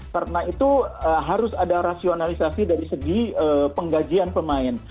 karena itu harus ada rasionalisasi dari segi penggajian pemain